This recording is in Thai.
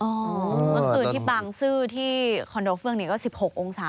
อ๋อบางตือที่บางซื่อที่คอนโดเฟื้องนี้ก็๑๖องศา